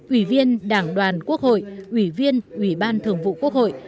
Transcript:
ủy viên đảng đoàn quốc hội ủy viên ủy ban thường vụ quốc hội